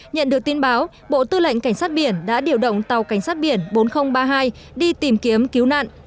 nhận được tin báo bộ tư lệnh cảnh sát biển đã điều động tàu cảnh sát biển bốn nghìn ba mươi hai đi tìm kiếm cứu nạn